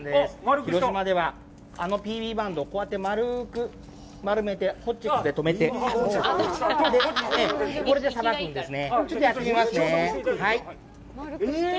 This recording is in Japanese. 広島では、あのＰＢバンド、こうやって丸く丸めてホッチキスでとめてこれでさばくんですね。